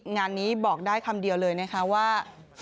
งานนี้บอกได้คำเดียวเลยนะคะว่า